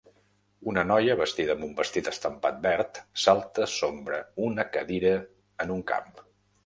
Una noia vestida amb un vestit estampat verd salta sobre una cadira en un camp.